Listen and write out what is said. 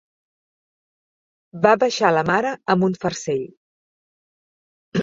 Va baixar la mare amb un farcell